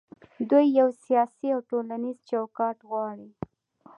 دوی یو سیاسي او ټولنیز چوکاټ غواړي.